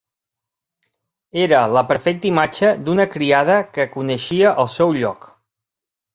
Era la perfecta imatge d'una criada que coneixia el seu lloc.